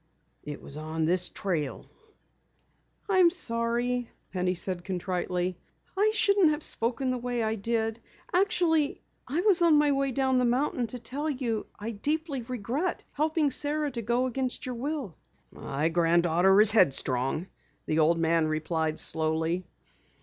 It was on this trail " "I'm sorry," Penny said contritely. "I shouldn't have spoken the way I did. Actually, I was on my way down the mountain to tell you I deeply regret helping Sara to go against your will." "My granddaughter is headstrong," the old man replied slowly.